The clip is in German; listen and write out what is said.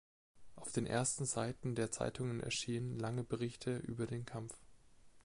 Auf den ersten Seiten der Zeitungen erschienen lange Berichte über den Kampf.